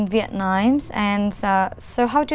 và bình tĩnh